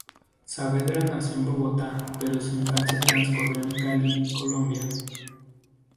Saavedra nació en Bogotá pero su infancia transcurrió en Cali, Colombia.